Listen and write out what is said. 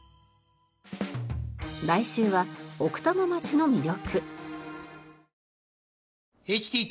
来週は奥多摩町の魅力。